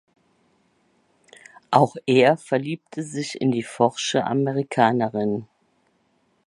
Auch er verliebte sich in die forsche Amerikanerin.